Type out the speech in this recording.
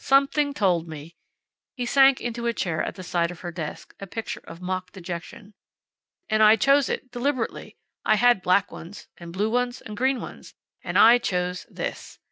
"Something told me." He sank into a chair at the side of her desk, a picture of mock dejection. "And I chose it. Deliberately. I had black ones, and blue ones, and green ones. And I chose this."